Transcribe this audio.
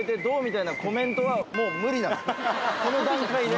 この段階で。